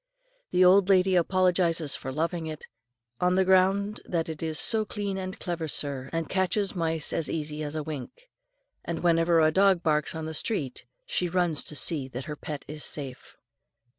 The old lady apologises for loving it, on the ground that it is "So clean and clever, sir, and catches mice as easy as wink;" and whenever a dog barks on the street, she runs to see that her pet is safe.